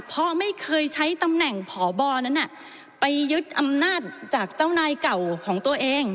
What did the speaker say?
เพราะไม่เคยใช้ตำแหน่งพบนั้นไปยึดอำนาจจากเจ้านายเก่าของตัวเอง